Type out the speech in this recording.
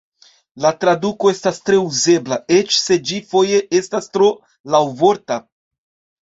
La traduko estas tre uzebla, eĉ se ĝi foje estas tro laŭvorta.